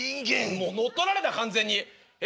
もう乗っ取られた完全に。え？